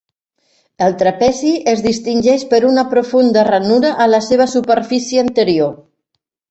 El trapezi es distingeix per una profunda ranura a la seva superfície anterior.